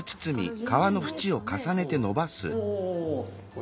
お。